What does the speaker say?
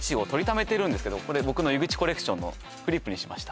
これ僕の湯口コレクションのフリップにしました